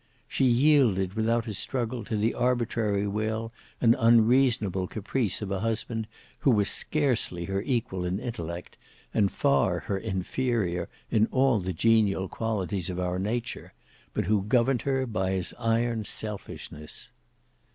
She yielded without a struggle to the arbitrary will and unreasonable caprice of a husband, who was scarcely her equal in intellect, and far her inferior in all the genial qualities of our nature, but who governed her by his iron selfishness.